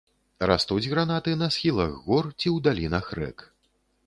Растуць гранаты на схілах гор ці ў далінах рэк.